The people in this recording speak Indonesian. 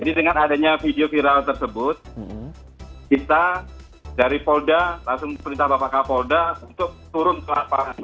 jadi dengan adanya video viral tersebut kita dari polda langsung minta bapak bapak polda untuk turun ke lapangan